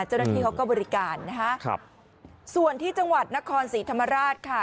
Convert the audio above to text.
เจ้าหน้าที่เขาก็บริการนะฮะครับส่วนที่จังหวัดนครศรีธรรมราชค่ะ